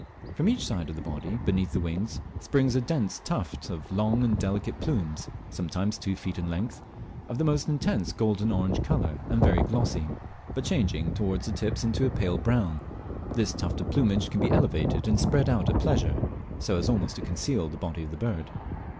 From each side of the body, beneath the wings, springs a dense tuft of long and delicate plumes, sometimes two feet in length, of the most intense golden orange colour and very glossy, but changing towards the tips into a pale brown. This tuft of plumage cam be elevated and spread out at pleasure, so as almost to conceal the body of the bird.